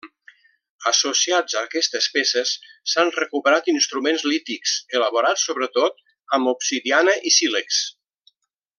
Associats a aquestes peces s'han recuperat instruments lítics, elaborats sobretot amb obsidiana i sílex.